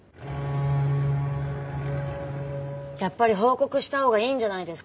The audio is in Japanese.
やっぱり報告した方がいいんじゃないですか？